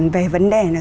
về vấn đề là